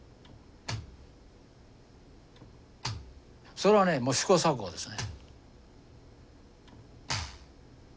それはねもう試行錯誤ですね。